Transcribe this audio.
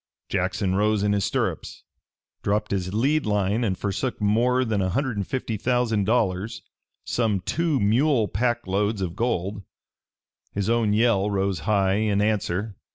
Jackson rose in his stirrups, dropped his lead line and forsook more than a hundred and fifty thousand dollars some two mule pack loads of gold. His own yell rose high in answer.